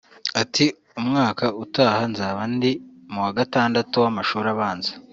Ati “Umwaka utaha nzaba ndi mu wa gatandatu w’amashuri abanza